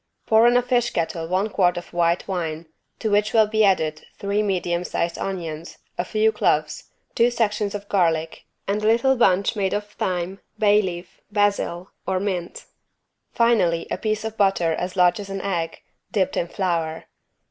Pour in a fish kettle one quart of white wine to which will be added three medium sized onions a few cloves, two sections of garlic and a little bunch made of thyme, bay leaf, basil or mint; finally a piece of butter as large as an egg, dipped in flour.